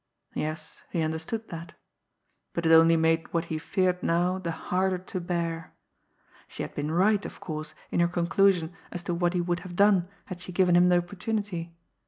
Yes, he understood that but it only made what he feared now the harder to bear. She had been right, of course, in her conclusion as to what he would have done had she given him the opportunity!